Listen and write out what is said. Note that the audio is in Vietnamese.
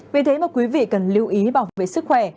vì thế mà quý vị cần lưu ý bảo vệ sức khỏe